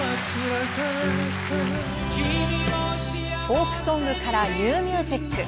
フォークソングからニューミュージック。